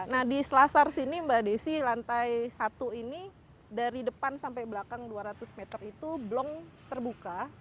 nah di selasar sini mbak desi lantai satu ini dari depan sampai belakang dua ratus meter itu blong terbuka